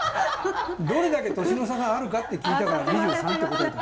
どれだけ年の差があるかって聞いたから２３って答えた。